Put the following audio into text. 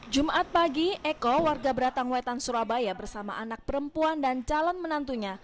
jumat pagi eko warga beratang wetan surabaya bersama anak perempuan dan calon menantunya